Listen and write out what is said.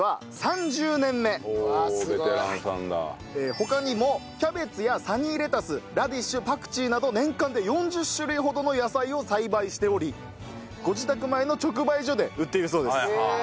他にもキャベツやサニーレタスラディッシュパクチーなど年間で４０種類ほどの野菜を栽培しておりご自宅前の直売所で売っているそうです。